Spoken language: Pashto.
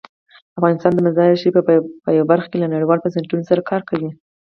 افغانستان د مزارشریف په برخه کې له نړیوالو بنسټونو سره کار کوي.